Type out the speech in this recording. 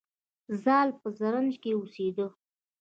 زال په زرنج کې اوسیده